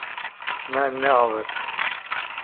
Me neavêt.